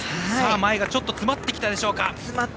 前が詰まってきたでしょうか。